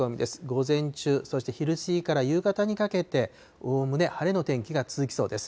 午前中、そして昼過ぎから夕方にかけて、おおむね晴れの天気が続きそうです。